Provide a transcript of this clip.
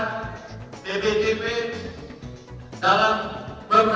saya beliau berharap untuk mencapai sasaran dan harapan harapan yang ditentukan